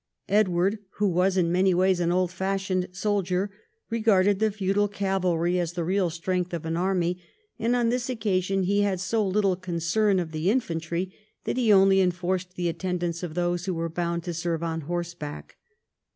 Edward, Avho was in many ways an old fashioned soldier, regarded the feudal cavalry as the real strength of an army, and on this occasion he had so little concern of the infantry that he only enforced the attendance of those who were bound to serve on horseback.